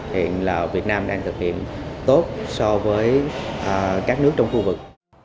hiện là việt nam đang thực hiện tốt so với các nước trong khu vực